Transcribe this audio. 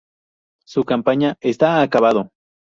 Su campaña "¡Está Acabado!